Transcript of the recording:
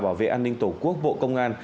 bảo vệ an ninh tổ quốc bộ công an